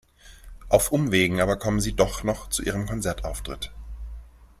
Auf Umwegen aber kommen sie doch noch zu ihrem Konzertauftritt.